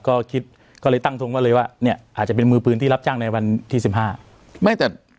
ก็คิดก็ตั้งทงกันเลยว่าอาจจะเป็นมือที่รับจ้างในวันที่๑๕